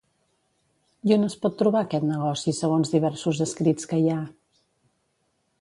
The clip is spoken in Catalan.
I on es pot trobar aquest negoci segons diversos escrits que hi ha?